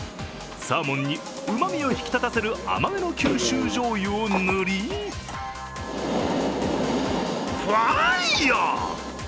サーモンにうまみを引き立たせる甘めの九州じょうゆを塗りファイアー！